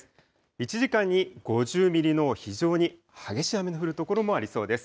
１時間に５０ミリの非常に激しい雨の降る所もありそうです。